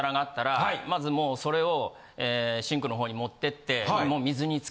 まずもうそれをシンクの方に持ってって。